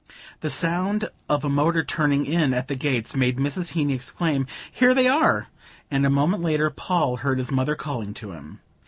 The sound of a motor turning in at the gates made Mrs. Heeny exclaim "Here they are!" and a moment later Paul heard his mother calling to him.